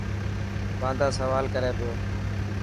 واندا سوال ڪري پيو.